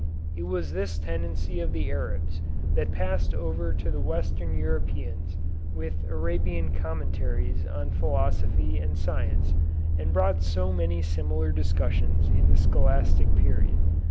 It was this tendency of the Arabs that passed over to the Western Europeans with Arabian commentaries on philosophy and science, and brought so many similar discussions in the scholastic period.